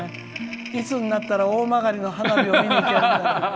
いつになったら大曲の花火を見にいけるのか。